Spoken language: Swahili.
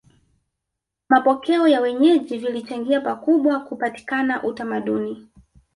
Mapokeo ya wenyeji vilichangia pakubwa kupatikana utamaduni